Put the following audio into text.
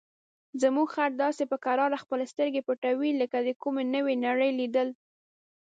زموږ خر داسې په کراره خپلې سترګې پټوي لکه د کومې نوې نړۍ لیدل.